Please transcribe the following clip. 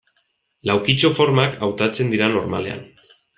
Laukitxo formak hautatzen dira normalean.